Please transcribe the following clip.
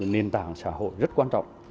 nền tảng xã hội rất quan trọng